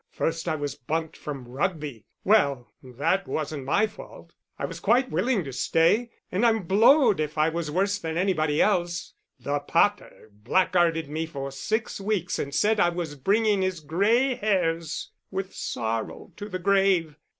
First I was bunked from Rugby. Well, that wasn't my fault. I was quite willing to stay, and I'm blowed if I was worse than anybody else. The pater blackguarded me for six weeks, and said I was bringing his grey hairs with sorrow to the grave.